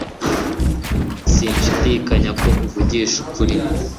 Sinshidikanya ko uvugisha ukuri.